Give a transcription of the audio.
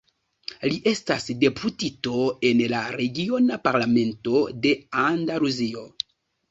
Li estas deputito en la regiona Parlamento de Andaluzio.